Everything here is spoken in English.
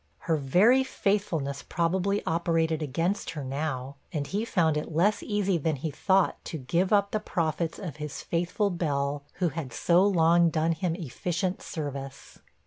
Her very faithfulness probably operated against her now, and he found it less easy than he thought to give up the profits of his faithful Bell, who had so long done him efficient service.